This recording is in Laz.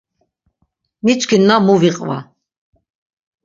Miçkinna mu viqva.